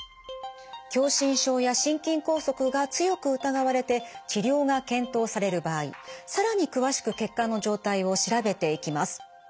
狭心症や心筋梗塞が強く疑われて治療が検討される場合更に詳しく血管の状態を調べていきます。